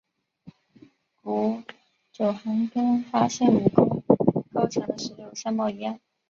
古九寒更发现武功高强的石榴样貌一样。